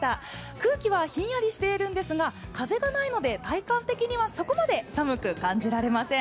空気はひんやりしているんですが、風がないので体感的には、そこまで寒く感じません。